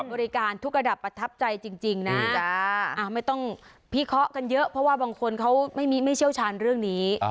บริการทุกระดับประทับใจจริงนะไม่ต้องพิเคราะห์กันเยอะเพราะว่าบางคนเขาไม่เชี่ยวชาญเรื่องนี้